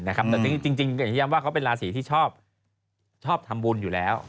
แต่จริงอย่างที่ย้ำว่าเขาเป็นราศีที่ชอบทำบุญอยู่แล้ว